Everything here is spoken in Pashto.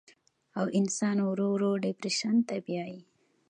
او انسان ورو ورو ډپرېشن ته بيائي